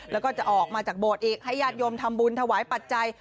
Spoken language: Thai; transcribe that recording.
แล้วก็จะออกมาจากโบสถ์อีกให้ญาติโยมทำบุญถวายปัจจัย